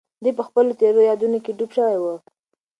دی په خپلو تېرو یادونو کې ډوب شوی و.